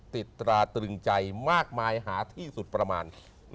ตราตรึงใจมากมายหาที่สุดประมาณ